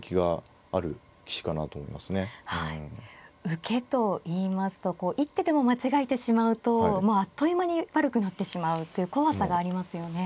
受けといいますと一手でも間違えてしまうともうあっという間に悪くなってしまうという怖さがありますよね。